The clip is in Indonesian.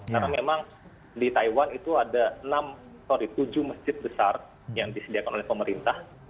karena memang di taiwan itu ada enam sorry tujuh masjid besar yang disediakan oleh pemerintah